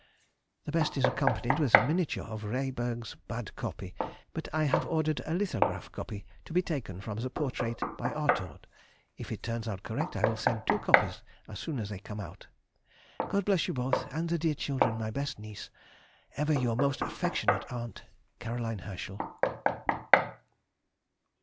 The best is accompanied with a miniature of Reberg's bad copy; but I have ordered a lithograph copy to be taken from the portrait by Artaud; if it turns out correct I will send two copies as soon as they come out. God bless you both, and the dear children, my best niece. Ever your most affectionate aunt, CAR. HERSCHEL.